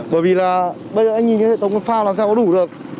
bởi vì là bây giờ anh nhìn cái phao là sao có đủ được